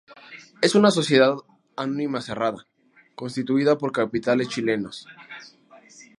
Es una sociedad anónima cerrada, constituida por capitales chilenos.